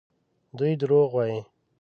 دوی دروغ وايي.